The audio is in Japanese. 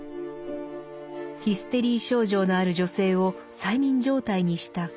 ヒステリー症状のある女性を催眠状態にした講座を公開。